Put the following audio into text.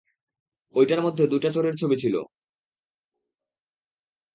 ঐটার মধ্যে দুইটা চোরের ছবি ছিল।